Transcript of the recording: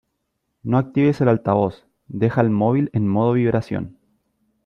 No actives el altavoz, deja el móvil en modo vibración.